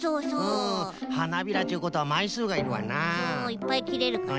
いっぱいきれるからね。